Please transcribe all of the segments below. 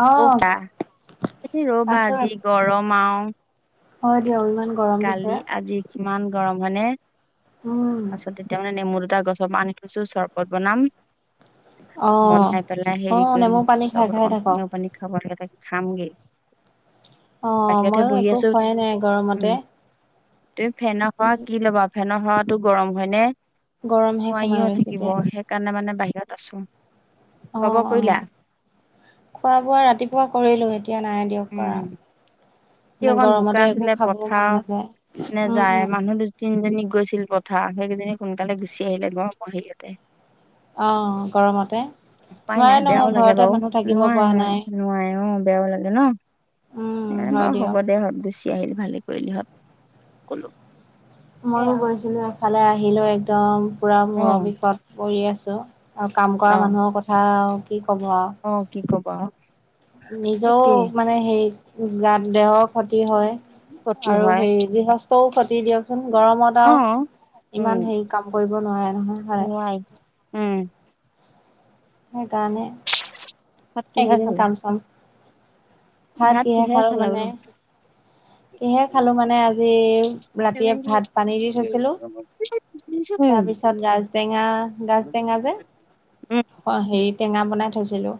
অ ককা [unintelligible] ৰ'বা যি গৰম আৰু। অ', দিয়ক ইমান গৰম দিছে। কিমান গৰম হয়নে? উম পাছত তেতিয়া মানে নেমু দুটা গছৰ পৰা আনি থৈছোঁ চৰবত বনাম। অ বনাই পেলাই অ হেৰি কৰিম নেমু পানী খাই চব খাই থাকক [unintelligible] পানী খাব লগে খামগে। অ', বাহিৰতহে ময়ো বহি একো আছো খোৱাই নাই উম গৰমতে। তুমি ফেনৰ হাৱা ইমান কি ল'বা ফেনৰ হাৱাটো গৰম হয়নে? গৰমহে নোৱাৰি সোমাই অ', বেছিকে থাকিব সেইকাৰণে মানে বাহিৰত আছোঁ। অ', অ', খোৱা বোৱা ৰাতিপুৱা কৰিলোয়ে। এতিয়া নাই দিয়ক কৰা। যি মানে অকণ গৰমতে বোকা একো আছিলে খাবও মন পথাৰৰ নাযায় উম নেযায় উম মানুহ দু তিনজনী গৈছিল পথাৰ সেইকেইজনী সোনকালে গুচি আহিলে গৰমৰ হেৰিয়তে। অ', গৰমতে। উপায় নোৱাৰে নাই নহয় বেয়াও লাগে ঘৰতে বাউ মানুহ থাকিব নোৱাৰে পৰা নাই নোৱাৰে নোৱাৰে অ', বেয়াও লাগে ন, উম সেইকাৰণে হয় মই হ'ব দিয়ক দে [unintelligible] [unintelligible] আহিল ভালে কৰিলি হ কলো। মইয়ো সেয়া গৈছিলো এফালে আহিলো একদম পুৰা অ মূৰৰ বিষত পৰি আছো। আৰু কাম কৰা অ মানুহৰ কথা কি ক'ব আৰু। অ কি ক'বা আও নিজৰও মানে হেৰি দেহৰ ক্ষতি হয় কতো আৰু হয় হেৰি গৃহস্থও খতি দিয়কচোন গৰমত অ আৰুও ইমান হেৰি কাম কৰিব নোৱাৰে নহয় হয় নাই উম সেইকাৰণে ভাত কিহে এইকেইদিন খালা কাম চাম ভাত কিহে খালা বোলো? কিহে খালো মানে আজি, ৰাতিয়ে ভাত পানী দি থৈছিলো উম তাৰ পিছ [unintelligible] গাজটেঙা গাজটেঙা যে উম হেৰি টেঙা বনাই থৈছিলো।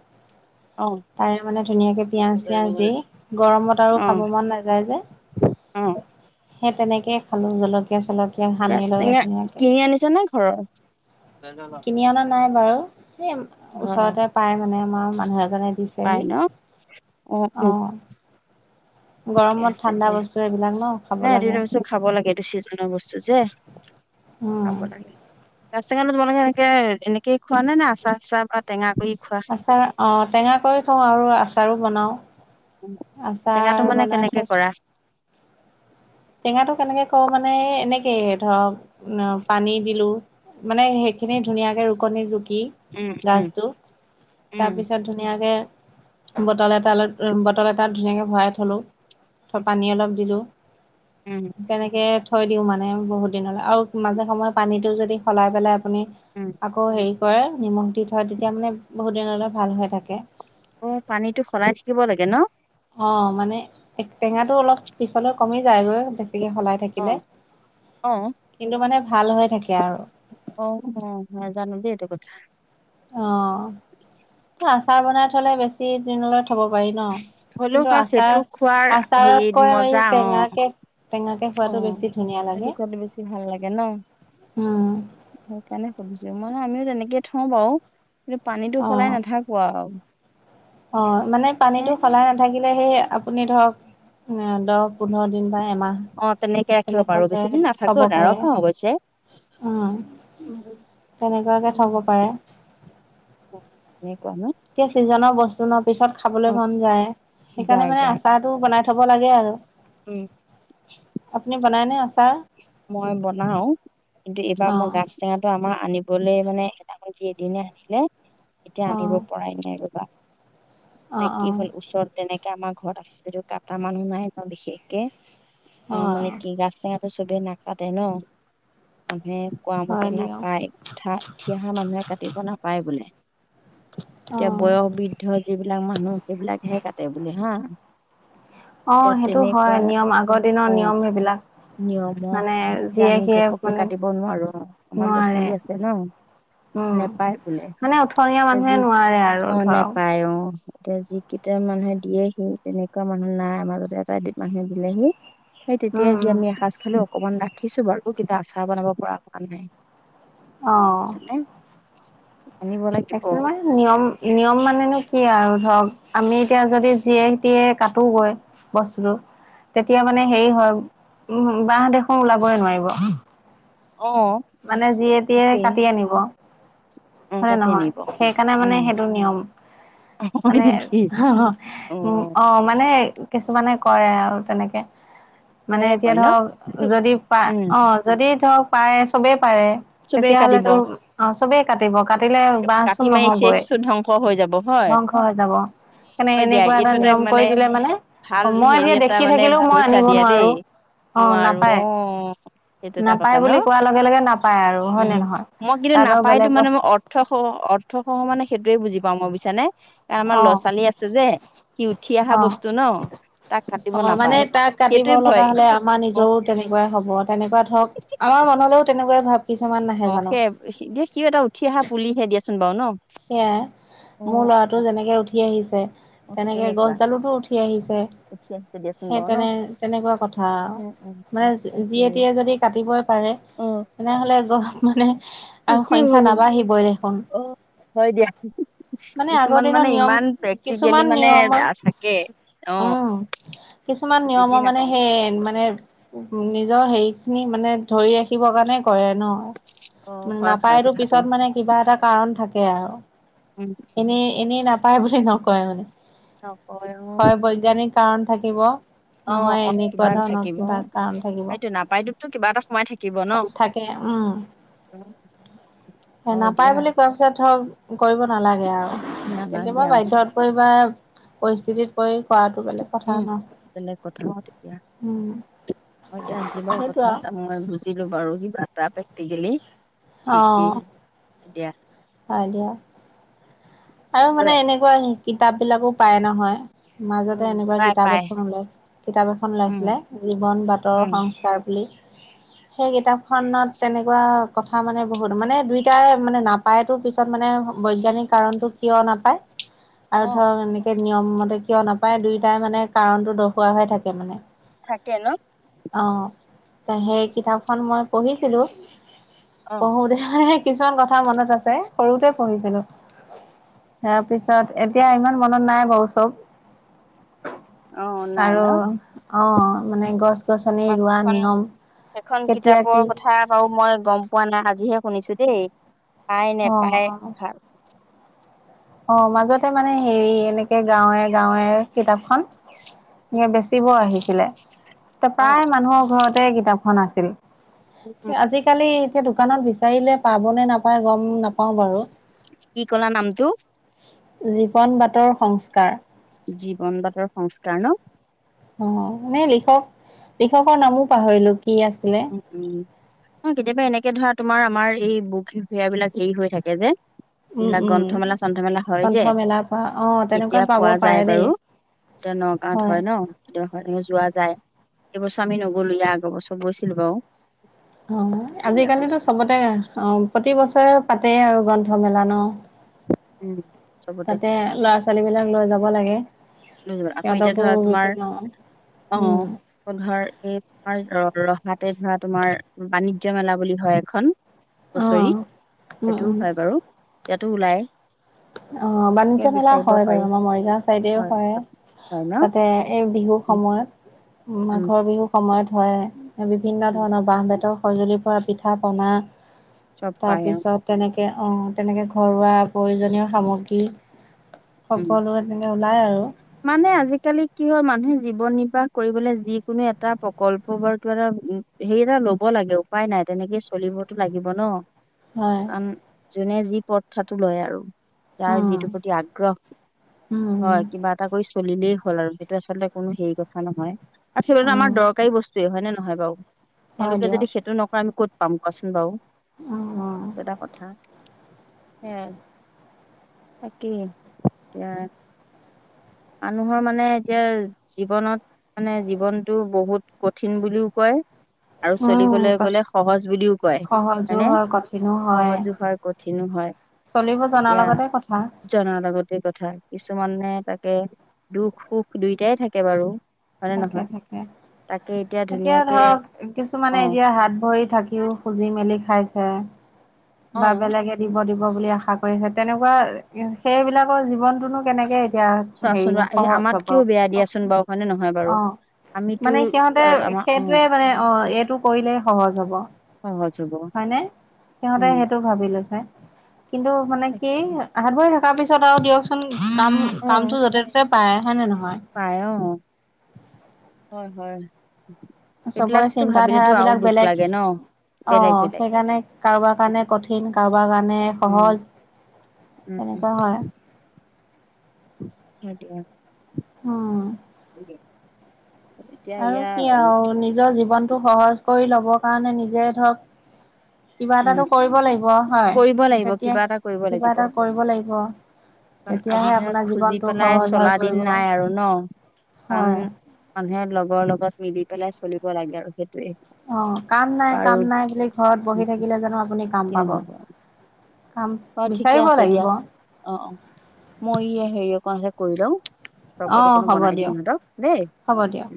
অ', তাৰে মানে ধুনীয়াকে পিয়াঁজ চিয়াজ দি, গৰমত আৰু অ খাব মন নাযায় যে। অ সেই তেনেকে খালো জলকী চকীয়া চলকীয় সানি গাছ লৈ টেঙা ধুনীয়াকে কিনি আনিছা নে ঘৰৰ কিনি অনা নাই বাৰু স ঘৰৰ ওচৰতে পাই মানে আমাৰ মানুহে জানে পাই দিছেহি ন অ ঠিকে গৰমত আছে ঠাণ্ডা দিয়া বস্তু এইবিলাক ন খাব নাই লাগে এইটো খাব লাগে এইটো চিজনৰ বস্তু যে উম খাব লাগে ত টেঙা টো তোমালোকে এনেকে এনেকে খোৱা নাই নে আচা চচা বা টেঙা কৰি খোৱা আচাৰ অ টেঙা কৰি থওঁ আৰু আচাৰো বনাও টেঙাটো মানে কেনেকে থৈছোঁ কৰা টেঙাটো কেনেকে কৰো মানে এনেকে ধৰক পানী দিলো মানে সেইখিনি ধুনীয়াকে ৰুকনি ৰুকি উম দি উম গাজটো উম তাৰপিছত ধুনীয়াকে বটল এটাল বটল এটাত ধুনীয়াকে ভৰাই থলো পানী অলপ দিলো উম তেনেকে থৈ দিও মানে বহুত দিনলৈ আৰু মাজে সময়ে পানীতটো যদি সলাই পেলাই আপুনি উম আকৌ হেৰি কৰে নিমখ দি থয় তেতিয়া মানে বহুত দিনলৈ ভাল হৈ থাকে অ পানীতটো সলাই থাকিব লাগে ন অ মানে টেঙাটো অলপ পিছলে কমি যায়গৈ সলাই অ থাকিলে অ কিন্তু মানে ভাল হৈ থাকে আৰু আহ হ জানো দেই এইটো কথা অ আচাৰ বনাই থলে বেছি দিনলৈ থব পাৰি ন হ'লেও কিন্তু আৰু আচাৰ সেইটো খোৱাৰ হেৰি আচাৰতকৈ মজা এই অ টেঙাকে টেঙাকে অ খোৱাতটো বেছি ধুনীয়া সেইটো লাগে খোৱাটো বেছি ভাল লাগে ন উম সেইকাৰণে সুধিছো মানে আমিও তেনেকে থওঁ বাৰু কিন্তু পানীটো অ সলাই নাথাকো আৰু অ মানে পানীটো স লাই নাথাকি সেই আপুনি ধৰক দহ পোন্ধৰ দিন বাই অ তেনেকে ৰাখিব পাৰো বেছিদিন থব নাথাকো পাৰে নৰখাও অৱশ্যে উম [unintelligible] তেনেকুৱাকে থব পাৰে [unintelligible] এটিয়া চিজনৰ বস্তু ন পিছত অ খাবলৈ মন যায় যায় সেইকাৰণে মানে যায় আচাৰটো বনাই থব লাগে আৰু উম আপুনি বনাইনে আচাৰ মই বনাও কিন্তু এইবাৰ অ মই গাছ টেঙাটো আমাৰ আনিবলৈ মানে এটামান যি এদিনে আনিলে এতিয়া অ আনিব পৰাই নাই ৰবা মে কি হ'ল ওচৰত তেনেকে আমাৰ ঘৰত আছে কাটা মানুহ নাই ন বিশেষকে অ অঁ মানে অ অ কি গাজ টেঙাটো চবেই নাচাতে ন। মানে কোৱা হয় মতে দিয়ক নাপায় উঠা থঠি অহা মানুহে কাটিব নাপায় বোলে অ এতিয়া বয়স বৃদ্ধ যিবিলাক মানুহ সেইবিলাকহে কাটে বুলে হা অ এতিয়া সেইটো হয় তেনেকুৱা নিয়ম আগৰ দিনৰ নিয়ম সেইবিলাক নিয়মক মানে এতিয়া যিয়ে আমি সিয়ে জপকে মানে কাটিব নোৱাৰো আমাৰ ল'ৰা নোৱাৰে ছোৱালী আছে ন উম নেপায় মানে উঠনীয়া বোলে মানুহে যি নোৱাৰে আৰু অ ধৰক নেপায় অঅঁ এতিয়া যিকেইটা মানুহে দিয়েহি তেনেকোৱা মানুহ নাই মাজতে এটা মানুহে দিলেহি সেই উম তেতিয়াই উম যে আমি এসাঁজ খালো অকমান ৰাখিছো বাৰু কিন্তু আচাৰ বনাব পৰা হোৱা নাই অহ বুজিছানে আনিব লাগিব একচেল মানে নিয়ম নিয়ম মানেনো কি আৰু ধৰক আমি এতিয়া যদি যিয়ে তিয়ে কাটোগৈ বস্তুটো তেতিয়া মানে হেৰি হয় উম বাঁহ দেখো ওলাবই নোৱাৰিব অ মানে যিয়ে টিয়ে একেই কাটি আনিব অ হয়নে কাটি নহয় আনিব সেইকাৰণে মানে উম সেইটো নিয়ম হয় মানে নেকি উ অ মানে কে কিছুমানে কৰে আৰু তেনেকে মানে তেনেকে এতিয়া কয় ন ধৰক যদি পা উম অ যদি ধৰক পায় চবে পাৰে চবেই কাটিব তেতিয়াহ'লেতো অ চবেই কাটিব কাটিলে বাঁহ কাটি চোন মাৰি নহবই শেষটো ধ্বংস হৈ যাব হয় ধ্বংস হৈ যাব। মানে হয় দিয়া এনেকোৱা এটা এইটো নিয়ম কৰি দিলে মানে ভাল মই হেৰি যেতিয়া এটা দেখি মানে থাকিলেও মই কৈছা আনিব দিয়া দেই নোৱাৰো অঁ নোৱাৰো নাপায় অ সেইটো এটা নাপায় কথা ন বুলি কোৱাৰ লগে লগে নাপায় আৰু হয় উম নে নহয় মই কিন্তু তাত আৰু নাপায়তো বেলেগ মানে বস্তু মই অৰ্থ সহ অৰ্থ সহ মানে সেইটোয়ে বুজি পাওঁ মই ব কাৰ আমাৰ অ ল'ৰা ছোৱালী আছে যে সি উঠি অহা বস্তু ন তাক কাটিব অঁ মানে নাপায়। তাক কাটিব সেইটোৱে লগা ভয় হলে আমাৰ অ', নিজৰও তেনেকোৱাই হ'ব তেনেকোৱা ধৰক মনলৈও তেনেকোৱাই ভাব। অঁ সে এই সিয়ো এটা উঠি অহা পুলিহে দিয়াচোন বাৰু ন সেয়াই অ', মোৰ অ ল'ৰাটো যেনেকে উঠি আহিছে। অ সেই তেনেকে তেনেকুৱা গছডালোতো উঠি আহিছে। উঠি আহিছে দিয়াচোন সেই বাৰু তেনে ন। তেনে তেনেকোৱা কথা আৰু উম, উম, উম, মানে তাকে যিয়েটিয়ে যদি কাটিবই পাৰে অ', তেনেহলে গ মানে আৰু তাকে সংখ্যা হ'ব নাবাঢ়িবই দেখোন অ'। হয় দিয়া। মানে আগৰ কিছুমান দিনৰ মানে নিয়ম ইমান প্ৰেক্টিকেলি কিছুমান মানে নিয়মৰ থাকে অঃ। উম, কিছুমান নিয়মৰ মানে সেই মানে। উ নিজৰ হেৰি খিনি মানে ধৰি ৰাখিবৰ কাৰণে কৰে ন অ', হয়, হয় নাপায়তো কথাটো পিছত মানে কিবা এটা কাৰণ থাকে। আৰু। উম, এনেই এনেই নাপায় বুলি নকয় মানে। নকৰে অঁ। হয় বৈজ্ঞানিক কাৰণ থাকিব। অঁ নহয় অঁ এনেকুৱা কিবা ধৰণৰ থাকিব কিবা অঁ কাৰণ থাকিব, সেইটোৱে নাপায়তোত কিবা এটা সোমায় থাকিব ন ‌। থাকে উম। উ। সে নাপায় বুলি কোৱা পিছত ধৰক কৰিব নালাগে আৰু নালাগে কেতিয়াবা আৰু বাধ্যত পৰি বা পৰিস্থিতিত পৰি খোৱা উম তেলে কথা মতিতিয়া। উম, এতিয়া আজ লগৰ সেইটো কথা আৰু, এটা মই বুজিলো বাৰু কিবা এটা। সেইখিনি লচিকি এতিয়া। হব দিয়া। আৰু মানে এনেকোৱা কিতাপ বিলাকো পায় নহয়। মাজতে উম এনেকুৱা পাই কিতাপ পাই এখন ওলাই কিতাপ এখন উম ওলাইছিলে জীৱন বাটৰ উম সংস্কাৰ বুলি। [inaudible] সেই কিতাপখনত তেনেকুৱা কথা মানে বহুত মানে দুইটাই মানে নাপায়তো পিছত মানে। বৈজ্ঞানিক কাৰণতটো কিয় নাপায় আৰু অ ধৰ এনেকে নিয়ম মতে কিয় নাপায় দুটাই মানে কাৰণটো দৰ্শোৱা হৈ থাকে মানে। থাকে ন অ অ সেই কিতাপখন মই পঢ়িছিলো অ পঢ়োতে মানে কিছুমান কথা মনত আছে সৰুতে পঢ়িছিলো তাৰ পিছ তাৰ এতিয়া ইমান মনত নাই বাৰু চব। অঁ নাই ন। অঁ মানে গছ। গছনি ৰোৱা সেইখন নিয়ম সেইখন কেতিয়া কি কিতাপৰ কথা আৰু মই গম পোৱা নাই আজিহে। শুনিছো দেই পাই অ নেপায় ভাল। অঁ মাজতে মানে হেৰি এনেকে গাঁৱে গাঁৱে কিতাপখন এনেকে বেচিবৰ আহিছিলে। এ অ প্ৰায় মানুহৰ ঘৰতে কিতাপখন আছিল আজিকালি। দোকানত বিচাৰিলে পাব নে নাপায় গম নাপাওঁ বাৰু কি কলা নামটো। জীৱন বাটৰ সংস্কাৰ। জীৱন বাটৰ সংস্কাৰ ন। অ এ লিখক লিখকৰ নামবোৰ পাহৰিলো কি আছিলে। উম, উম। কেতিয়াবা এনেকে ধৰা তোমাৰ আমাৰ এই বুক ফেয়াৰ বিলাক হেৰি হৈ থাকে যে। উম এইবিলাক উম গ্ৰন্থমেলা চ্ৰন্থমেলা হয় যে গ্ৰন্থমেলাৰ পৰা অ কেতিয়া তেনেকুৱাত পাব পোৱা যায় পাৰে দেই বাৰু এতিয়া নগাঁৱত হয় ন হয় যোৱা যায়। এইবছৰ আমি নগ'লো ইয়া আগৰ বছৰ গৈছিলো বাৰু অ গৈছিলো ইয়াৰ আগৰ আজিকালিতো বছৰ, চবতে অ প্ৰতি বছৰে পাতেই আৰু গ্ৰন্থমেলা ন উম। চবতে তাতে ল'ৰা ছোৱালী বিলাক লৈ যাব লাগে। লৈ যাব আকৌ এতিয়া সিহঁতকো ধৰা তোমাৰ বিভিন্ন অ উম ধৰ এই পাৰ ৰহাত তাতে ধৰা তোমাৰ বাণিজ্য মেলা বুলি হয় এখন। অ হুঁচৰিত উম উম সেইটোও হয় বাৰু ইয়াতো ওলাই। অ গতিকে বাণিজ্য মেলা বিচাৰিব হয় বাৰু পাৰি, আমাৰ মৰিগাওঁ চাইডেও হয়। হয় ন? তাতে এই বিহুৰ উম, সময়ত উম, মাঘৰ বিহুৰ সময়ত হয়। বিভিন্ন উম, ধৰণৰ বাঁহ বেতৰ সঁজুলিৰ পৰা পিঠা পনা চব পায় অ'। তাৰপিছত তেনেকে অ তেনেকে ঘৰুৱা প্ৰয়োজনীয় সামগ্ৰী। সকলোৰে তেনেকে ওলাই আৰু মানে আজিকালি কি হল মানুহে, জীৱন নিৰ্বাহ কৰিবলৈ যি কোনো এটা প্ৰকল্প বা কিবা এটা উ হেৰী এটা লব লাগে উপায় নাই। তেনেকে চলিবতো লাগিব ন। হয় কাৰণ যোনে যি প্ৰথাটো লয় আৰু তাৰ উম যিটোৰ প্ৰতি আগ্ৰহ উম, হয় কিবা এটা কৰি চলিলেই হ'ল আৰু সেইটো আচলতে কোনো হেৰি কথা নহয়। আচলতে আমাৰ উম, দৰকাৰী বস্তুৱয়েই হয় নে নহয় বাৰু হয় তেওঁলোকে যদি দিয়ক। সেইটো নকৰে আমি ক'ত পাম কোৱাচোন বাৰু উম, উম, টা কথা হে তাকেই এয়া। মানুহৰ মানে এতিয়া জীৱনত মানে জীৱনটো বহুত কঠিন বুলিও কয়। আৰু উম, চলিবলৈ গ'লে সহজ বুলিও কয় সহজো হয়নে হয়, কঠিনো হয়। সহজো হোৱাৰ কঠিনো হয় চলিব জনাৰ এতিয়া লগতে কথা। জনাৰ লগতে কথা কিছুমানে তাক তাকে দুখো দুইটাই থাকে বাৰু হয়নে থাকে নহয় থাকে। তাকে এতিয়া ধুনীয়াকে ধৰক অ কিছুমানে এতিয়া হাত ভৰি থাকিও খুজি মেলি খাইছে অ বা বেলেগে দিব দিব। বুলি আশা কৰিছে তেনেকুৱা সেইবিলাকৰ জীৱনতনো কেনেকে। এতিয়া হেৰি চোৱাচোন বা এই সহজ হব আমাতকেও বেয়া দিয়াচোন কওকচোন বাৰু হয়নে নহয় বাৰু অ। আমিতো মানে সিহঁতে আ- আমাৰ অ সেইটোৱে মানে অ এইটো কৰিলে সহজ হ'ব। সহজ হ'ব হয় ন সিহঁতে উম সেইটো ভাবিলো চাই। কিন্তু মানে কি তাকে হাত ভৰি থকাৰ পিছত আৰু দিয়কচোন কাম অ কামটো য'তে ত'তে। পায় হয় নে নহয়। পায়। হয় হয় চবৰে সেইবিলাকতো চিন্ত ভাবিলেতো ধাৰা আৰু বিলাক দুখ বেলেগ লাগে ন। অ বেলেগ বেলেগ সেইকাৰণে কাৰোবাৰ উম কাৰণে কঠিন কাৰোবাৰ কাৰণে সহজ উম। তেনেকুৱা হয় সেইটোৱে উম এতিয়া আৰু ইয়া কি আৰু নিজৰ জীৱনটো সহজ কৰি ল'বৰ কাৰণে নিজে ধৰক কিবা উম এটাটো কৰিব লাগিব হয় কৰিব লাগিব তেতিয়া এটা কিবা এটা কৰিব লাগিব। ণ তেতিয়াহে আজিৰ আপোনাৰ দিনত খুজি জীৱনটো পেলাই সহজ হৈ চলা দিন পৰিব নাই আৰু ন আন হয় মানুহে লগৰ লগত মিলি পেলাই চলিব লাগে আৰু সেইটোৱে অ কাম নাই বাৰু কাম নাই বুলি ঘৰত বহি থাকিলে জানো আপুনি কাম পাব। কাম অ ঠিকে বিচাৰিব আছে লাগিব। দিয়া অ অ মই হেৰি অ। অকণে কৰি লওঁ চপটো অ', কণো হ'ব বনাই দিম দিয়ক, সিহঁতক দেই। হ'ব দিয়ক।